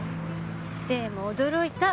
でも驚いた。